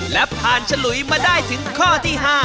และผ่านฉลุยมาได้ถึงข้อที่๕